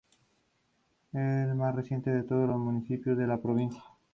Es el más reciente de todos los municipios de la provincia.